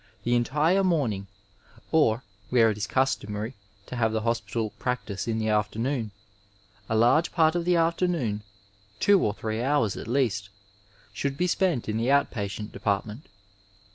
The entire morning, or, where it is customary to have the hospital practice in the afternoon, a large part of the afternoon, two or three hours at least, should be spent in the out patient department.